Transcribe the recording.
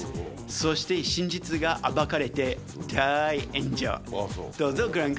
そして真実が暴かれて、大炎上。